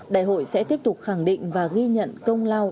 đại hội sẽ tiếp tục khẳng định và ghi nhận công lao